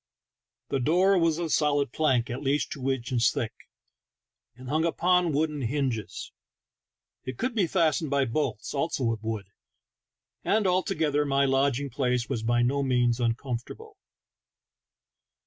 The door was of solid plank at least two inches thick, and THE TALKING HANDKERCHIEF. 19 hung upon wooden hinges ; it could be fastened by bolts, also of wood; and altogether my lodging place was by no means uncomfortable.